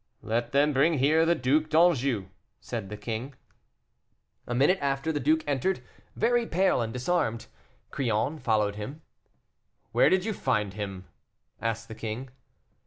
"Let them bring here the Duc d'Anjou," said the king. A minute after the duke entered, very pale and disarmed. Crillon followed him. "Where did you find him?" asked the king.